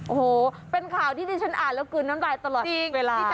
โอ้โหเป็นข่าวที่ที่ฉันอ่านแล้วกลืนน้ำลายตลอดเวลา